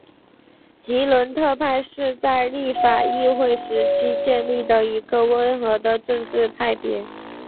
吉伦特派是在立法议会时期建立的一个温和的政治派别。